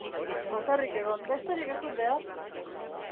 Bakarrik egon besterik ez dut behar!